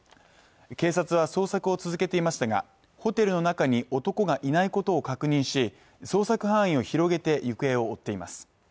警察は捜索を続けていましたが、ホテルの中に男がいないことを確認し、捜索範囲を広げて行方を追っています。